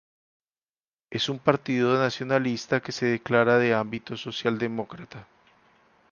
Es un partido nacionalista que se declara de ámbito socialdemócrata.